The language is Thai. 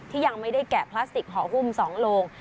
ที่ยังไม่ได้แกะพลาสติกหอคุมสองโลง